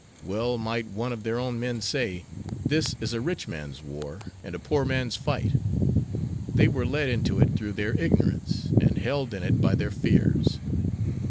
Well might one of their own men say, 'This is a rich man's war and a poor man's fight.' They were led into it through their ignorance, and held in it by their fears."